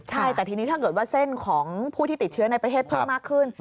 ใช่แต่ทีนี้ถ้าเกิดว่าเส้นของผู้ที่ติดเชื้อในประเทศเพิ่มมากขึ้น